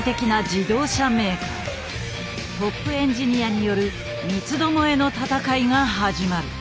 トップエンジニアによる三つどもえの戦いが始まる。